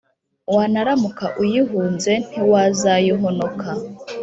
wanaramuka uyihunze, ntiwazayihonoka